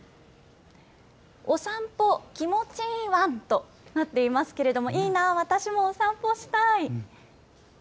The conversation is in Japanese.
お散歩気持ちいいワン！となっていますけれどもいいな、私もお散歩したい。